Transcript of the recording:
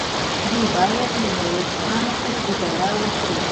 دی بايد له ميرويس خان سره ګذاره وکړي.